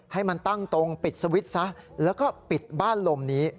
ให้มันตั้งตรงปิดสวิตช์ซะแล้วก็ปิดบ้านลมนี้